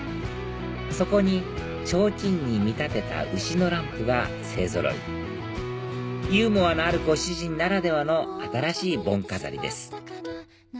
そこにちょうちんに見立てた牛のランプが勢ぞろいユーモアのあるご主人ならではの新しい盆飾りです